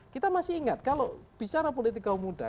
kita masih ingat kalau bicara politik kaum muda